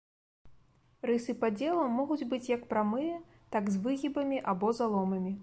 Рысы падзелаў могуць быць як прамыя, так з выгібамі або заломамі.